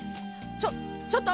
ちょちょっと！